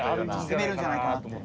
攻めるんじゃないかなと思って。